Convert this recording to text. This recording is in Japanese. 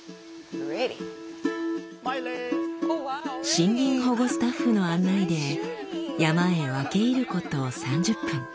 森林保護スタッフの案内で山へ分け入ること３０分。